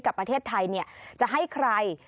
กับประเทศไทยจะให้ใคร